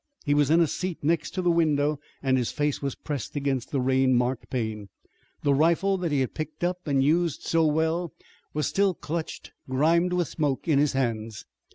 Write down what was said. He was in a seat next to the window, and his face was pressed against the rain marked pane. The rifle that he had picked up and used so well was still clutched, grimed with smoke, in his hands.